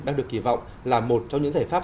đang được kỳ vọng là một trong những giải pháp